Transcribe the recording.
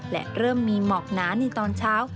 และเริ่มมีหมอกหนาในตอนเช้า